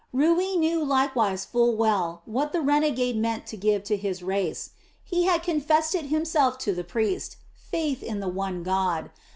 Rui knew likewise full well what the renegade meant to give to his race; he had confessed it himself to the priest faith in the one God.